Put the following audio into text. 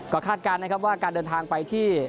ก็คาดการณ์นะครับว่าการเดินทางไปที่